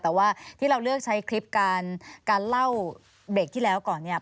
แต่ว่าที่เราเลือกใช้คลิปการเล่าเบรกที่แล้วก่อนเนี่ย